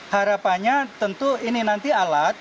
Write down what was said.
harapannya tentu ini nanti alat